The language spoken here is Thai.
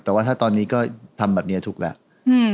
แต่ว่าถ้าตอนนี้ก็ทำแบบเนี้ยทุกคนแหละอืม